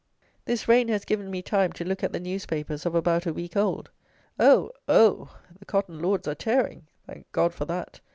This rain has given me time to look at the newspapers of about a week old. Oh, oh! The Cotton Lords are tearing! Thank God for that!